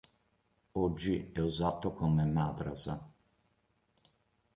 Oggi è usato come madrasa.